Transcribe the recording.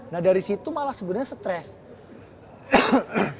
nah dari situ malah sebenernya stress